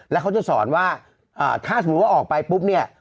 แล้วเขาจะสอนว่าถ้าสมมุติว่าออกไปปุ๊บเนี่ย